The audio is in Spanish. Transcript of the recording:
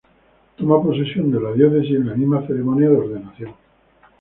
Toma posesión de la Diócesis en la misma ceremonia de ordenación.